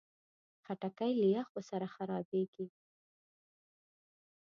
خټکی له یخو سره خرابېږي.